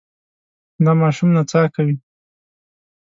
دا ماشوم نڅا کوي.